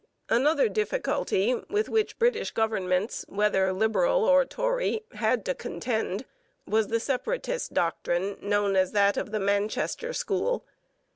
Another difficulty with which British governments, whether Liberal or Tory, had to contend was the separatist doctrine known as that of the Manchester School.